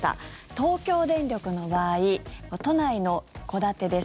東京電力の場合都内の戸建てです。